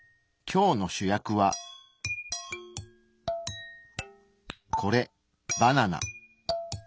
今日の主役はこれバナナ。